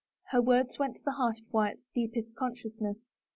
Her words went to the heart of Wyatt's deepest con sciousness.